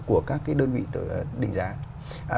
của các cái đơn vị thẩm định giá